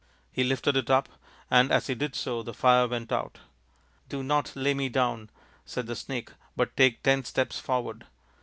He lifted it up, and as he did so the fire went out. " Do not lay me down," said the snake, " but take ten steps forward."